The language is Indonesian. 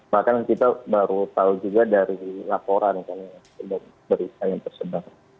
bahkan kita baru tahu juga dari laporan yang tersebar